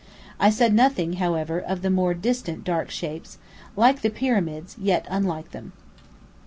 I said nothing, however, of the more distant dark shapes, like the pyramids yet unlike them.